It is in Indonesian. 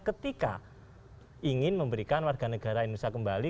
ketika ingin memberikan warganegara indonesia kembali